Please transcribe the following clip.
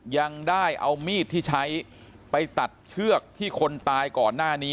ยังได้เอามีดที่ใช้ไปตัดเชือกที่คนตายก่อนหน้านี้